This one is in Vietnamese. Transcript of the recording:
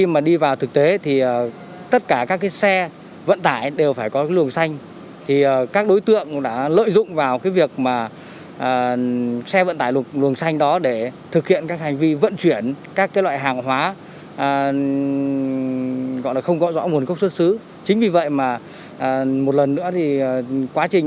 một lần nữa thì quá trình